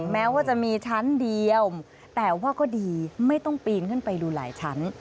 แม้ว่าจะมีชั้นเดียวแต่ว่าก็ดีไม่ต้องปีนขึ้นไปดูหลายชั้น